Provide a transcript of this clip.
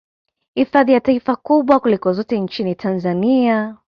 Hifadhi ya taifa kubwa kuliko zote nchini Tanzania